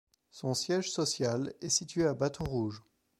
Son siège social est situé à Baton Rouge.